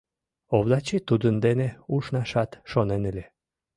Овдачи тудын дене ушнашат шонен ыле.